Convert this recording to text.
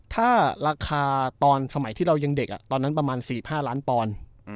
ถ้าราคาตอนสมัยที่เรายังเด็กตอนนั้นประมาณ๔๕ล้านปอนด์